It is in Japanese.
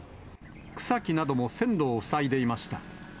草木なども線路を塞いでいました。